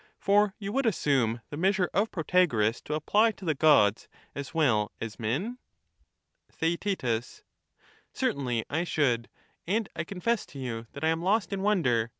— for you would assume the measure of Protagoras to apply to the gods as well as men ? Theaetetus Theact, Certainly I should, and I confess to you that I am his^o^nioiT '^^^^^ wonder.